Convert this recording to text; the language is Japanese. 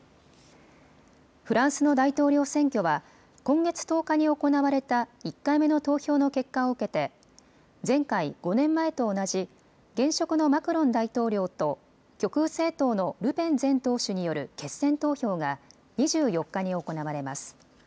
フランスの大統領選挙は今月１０日に行われた１回目の投票の結果を受けて前回、５年前と同じ現職のマクロン大統領と極右政党のルペン前党首による決選投票が２４日に行われます。